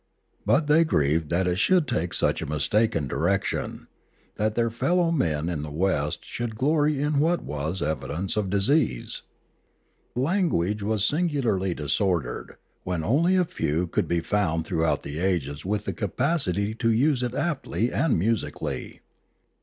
But they grieved that it should take such a mistaken direction, that their fellow men in the West should glory in what was an evidence of disease. Language was singularly disordered, when only a few could be found throughout the ages with the capacity to use it aptly and musically.